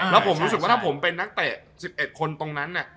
แล้วผมรู้สึกว่าถ้าผมเป็นนักเตะ๑๑คนตรงนั้น